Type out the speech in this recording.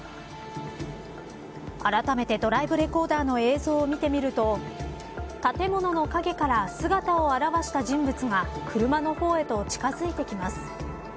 あらためてドライブレコーダーの映像を見てみると建物の陰から姿を現した人物が車の方へと近づいてきます。